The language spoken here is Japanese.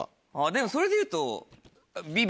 でもそれでいうと。